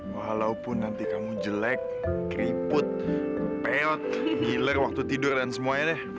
walaupun nanti kamu jelek keriput peot giler waktu tidur dan semuanya deh